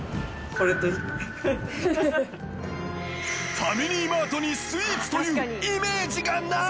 ファミリーマートにスイーツというイメージがない